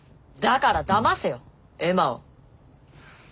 だからだませよエマを。